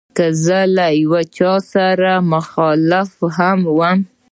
که زه له یو چا سره مخالف هم یم.